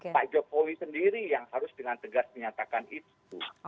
pak jokowi sendiri yang harus dengan tegas menyatakan itu